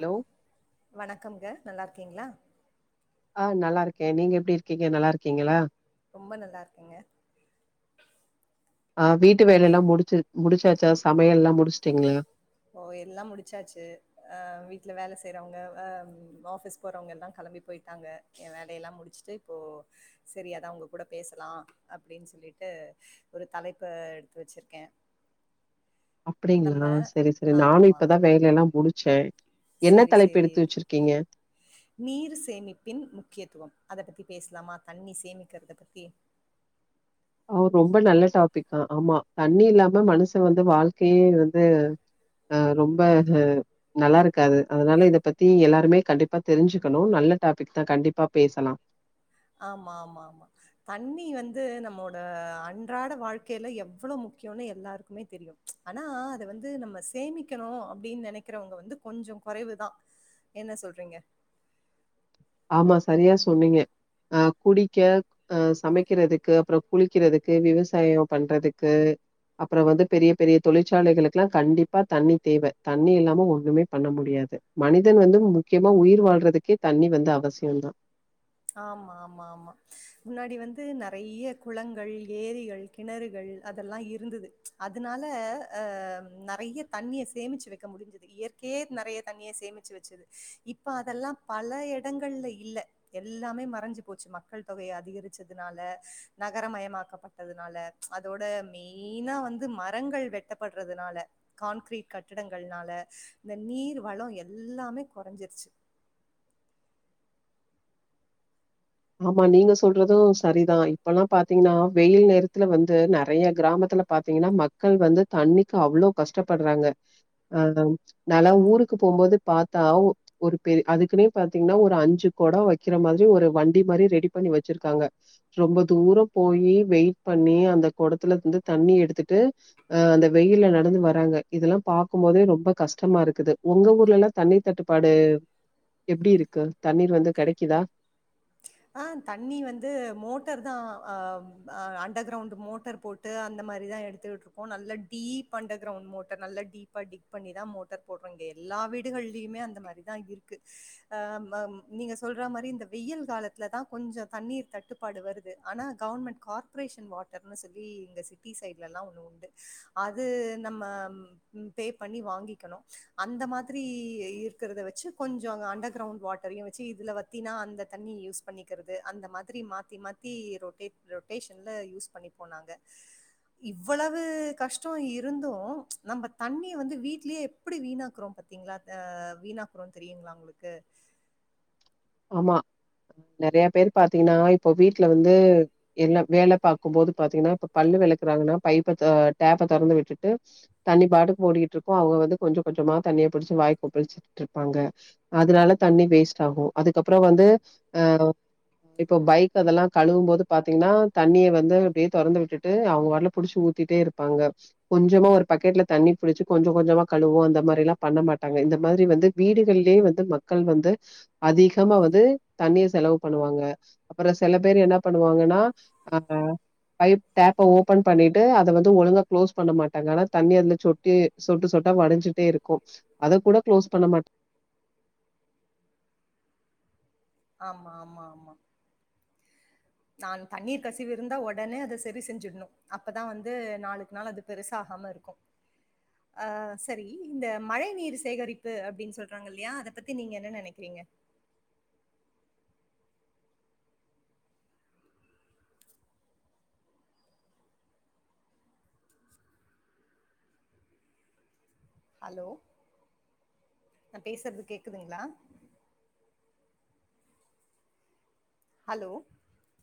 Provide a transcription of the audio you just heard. Hello வணக்கம்ங்க நல்லா இருக்கீங்களா ஆன் நல்லா இருக்கேன் நீங்க எப்படி இருக்கீங்க நல்லா இருக்கீங்களா ரொம்ப நல்லா இருக்கேங்க ஆ வீட்டு வேலை எல்லாம் முடிச்சு முடிச்சாச்சா சமையல் எல்லாம் முடிச்சுட்டீங்க ஓ எல்லாம் முடிச்சாச்சு அ வீட்ல வேல செய்றவங்க அ ஆபிஸ் போறவங்க எல்லாம் கிளம்பி போயிட்டாங்க ஏன் வேலையெல்லாம் முடிச்சுட்டு இப்போ சரி அதா உங்க கூட பேசலாம் அப்டின்னு சொல்லிட்டு ஒரு தலைப்பு எடுத்து வச்சிருக்கேன் நம்ம அப்டிங்களா சரி சரி நானும் ஆமா. இப்பதா வேலை எல்லாம் முடிச்சேன் சரி சரி நீர் சேமிப்பின் முக்கியத்துவம் அத பத்தி பேசலாமா தண்ணி சேமிக்கறத பத்தி ஆன் ரொம்ப நல்ல டாப்பிக்கு ஆமா தண்ணி இல்லாம மனச வந்து வாழ்க்கையே வந்து ஆ ரொம்ப அது நல்லா இருக்காது அதனால இத பத்தி எல்லாருமே கண்டிப்பா தெரிஞ்சுக்கணும் நல்ல டாப்பிக் தா கண்டிப்பா பேசலாம் ஆமா ஆமா ஆமா தண்ணி வந்து நம்மோட அன்றாட வாழ்க்கைல எவ்ளோ முக்கியம்னு எல்லாருக்குமே தெரியும் ஆனா அத வந்து நம்ம சேமிக்கணும் அப்டின்னு நெனைக்றவங்க வந்து கொஞ்ஜோ கொறைவுதா என்ன சொல்றீங்க ஆமா சரியா சொன்னீங்க அ குடிக்க அ சமைக்கிறதுக்கு அப்புறம் குளிக்கிறதுக்கு விவசாயம் பண்றதுக்கு அப்புறம் வந்து பெரிய பெரிய தொழிற்சாலைகளுக்கெல்லாம் கண்டிப்பா தண்ணி தேவை தண்ணி இல்லாம ஒண்ணுமே பண்ண முடியாது மனிதன் வந்து முக்கியமா உயிர் வாழ்றதுக்கே தண்ணி வந்து அவசியந்தா ஆமா ஆமா ஆமா முன்னாடி வந்து நெறைய குளங்கள் ஏரிகள் கிணறுகள் அதெல்லா இருந்தது அதனால ஆ நெறைய தண்ணிய சேமிச்சு வைக்க முடிஞ்சுது இயற்கையே நெறைய தண்ணிய சேமிச்சு வச்சுது இப்ப அதெல்லா பல எடங்கள்ல இல்ல எல்லாமே மறைஞ்சு போச்சு மக்கள் தொகையை அதிகரிச்சதுனால நகரமயமாக்கப்பட் டதுனால அதோட மெயினா வந்து மரங்கள் வெட்டப்படுறதுனால கான்கிரீட் கட்டிடங்கள்னால இந்த நீர் வள எல்லாமே கொறைஞ்சிருச்சு ஆமா நீங்க சொல்றது சரிதா இப்பல்லா பாத்தீங்கன்னா வெயில் நேரத்துல வந்து நெறைய கிராமத்துல பாத்தீங்கன்னா மக்கள் வந்து தண்ணிக்கு அவ்வளோ கஷ்டப்படுறாங்க ஆ நால்லா ஊருக்கு போகும்போது பாத்தா ஒரு பெரி அதுக்குன்னே பாத்தீங்கன்னா ஒரு அஞ்சு கொடோ வைக்கிற மாதிரி ஒரு வண் டி மாரி ரெடி பண்ணி வச்சிருக்காங்க ரொம்ப தூரோ போயி வெயிட் பண்ணி அந்த குடத்துல இருந்து தண்ணி எடுத்துட்டு அ அந்த வெயில்ல நடந்து வராங்க இதெல்லா பாக்கும் போதே ரொம்ப கஷ்டமா இருக்குது உங்க ஊர்லல்லா தண்ணீர் தட்டுப்பாடு எப்படி இருக்கு தண்ணீர் வந்து கெடைக்குதா ஆ தண்ணி வந்து மோட்டர் தா அ ஆ அண்டர் கிரவுண்ட் மோட்டர் போட் டு அந்த மாரிதா எடுத்துட்ருக்கோ நல்ல டீப் அண்டர் கிரௌண்ட் மோட்டர் நல்ல டீப்பாடிப் ப் பண்ணிதா மோட்டர் போடுறோ இங்க எல்லா வீடுகள்லியுமே அந்த மாரிதா இருக்கு ஆமா நீங்க சொல்ற மாரி இந்த வெய்யில் காலத் துல தா கொஞ்ச தண்ணீர் தட்டுப்பாடு வருது ஆனா கவர்மெண்ட் கார்பரேஷன் வாட்டர்னு சொல்லி இங்க சிட் டி சைட்ல எல்லா ஒண்ணு உண்டு அது நம்ம ம் பே பண்ணி வாங்கிக்கணு அந்த மாதிரி இருக்கருத வச்சு கொஞ்ச அண்டர் கிரவுண்ட் வாட் டரையு வச்சு இதுல வத்தினா அந்த தண்ணிய யூஸ் பண்ணிக்கிறது அந்த மாதிரி மாத்தி மாத்தி ரொட்டேட் ரொட்டேஷன்ல யூஸ் பண்ணிபோ நாங்க இவ்வளவு கஷ்ட இருந்து நம்ம தண்ணிய வந்து வீட்லயே எப்டி வீணாக்குறோம் பாத்தீங்களா அ வீணாக்குரோம்னு தெரியுங்களா உங்களுக்கு ஆமா நெறைய பேரு பாத்தீங்கன்னா இப்போ வீட்ல வந்து எல்லா வேல பாக்கும்போது பாத்தீங்கன்னா இப்ப பல்லு வெளக்குறாங்கன்னா பைப்பை தொ டேப்ப தொறந்து விட்டுட்டு தண்ணி பாட்டுக்கு ஓடிகிட்ருக்கு அவுங்க வந்து கொஞ்ச கொஞ்சமா தண்ணிய புடிச்சு வாய் கொப்பிலிச்சிட்டு இருப்பாங்க அதனால தண்ணி வேஸ்ட்டாகு அதுக்கப்பற வந்து அ இப்போ பைக் அதெல்லா கழுவும் போது பாத்தீங்கன்னா தண்ணிய வந்து அப்படியே தொறந்து விட்டுட்டு அவுங்க பாட்ல புடிச்சு ஊத்திட்டே இருப் பாங்க கொஞ்சமா ஒரு பக்கெட்ல தண்ணி புடிச்சு கொஞ்ச கொஞ்சமா கழுவோ அந்த மாரில்லா பண்ண மாட்டாங்க இந்த மாதிரி வந்து வீடுகள்லியே வந்து மக்கள் வந்து அதிகமா வந்து தண்ணீர் செலவு பண்ணுவாங்க அப்பறோ செல பேரு என்ன பண்ணுவாங்கன்னா அ பைப் டேப்ப ஓபன் பண்ணிட்டு அத வந்து ஒழுங்கா குளோஸ் பண்ண மாட்டாங்க ஆனா தண்ணி அதுல சொட்டு சொட்டு சொட்டா வடிஞ்சுட்டே இருக்கு அத கூட க்ளோஸ் பண்ண மாட்ட ஆமா ஆமா ஆமா நான் தண்ணீர் கசிவு இருந்தா ஒ ஒடனே அத செரி செஞ்சிடணு அப்பதா வந்து நாளுக்கு நாள் அது பெருசா ஆகாம இருக்கு அ செரி இந்த மழை நீர் சேகரிப்பு அப்படின்னு சொல்றாங்க இல்லையா அத பத்தி நீங்க என்ன நெனைக்கிறீங்க ஹலோ நா பேசுறது கேக்குதுங்களா ஹலோ